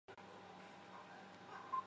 他出生于美国宾夕法尼亚州。